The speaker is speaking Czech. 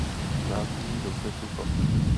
Snáší dobře sucho.